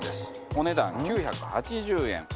お値段９８０円。